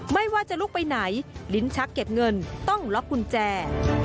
ไม่ว่าจะลุกไปไหนลิ้นชักเก็บเงินต้องล็อกกุญแจ